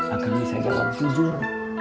akang bisa jawab jujur